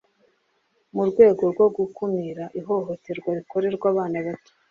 mu rwego rwo gukumira ihohoterwa rikorerwa abana bato